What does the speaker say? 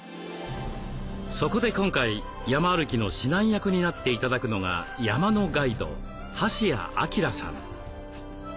そこで今回山歩きの指南役になって頂くのが山のガイド橋谷晃さん。